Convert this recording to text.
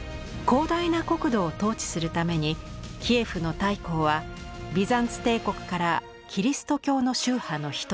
広大な国土を統治するためにキエフの大公はビザンツ帝国からキリスト教の宗派の一つ正教を導入。